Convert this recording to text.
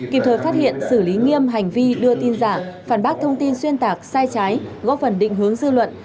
kịp thời phát hiện xử lý nghiêm hành vi đưa tin giả phản bác thông tin xuyên tạc sai trái góp phần định hướng dư luận